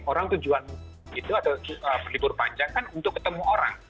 orang tujuan itu atau berlibur panjang kan untuk ketemu orang